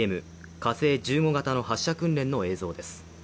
火星１５型の発射訓練の映像です。